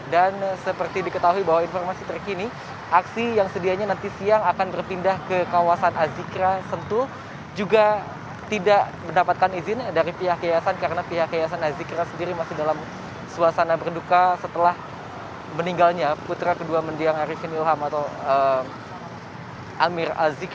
dan seperti diketahui bahwa informasi terkini aksi yang sedianya nanti siang akan berpindah ke kawasan azikra sentul juga tidak mendapatkan izin dari pihak kiasan karena pihak kiasan azikra sendiri masih dalam suasana berduka setelah meninggalnya putra kedua mendiang arifin ilham atau amir azim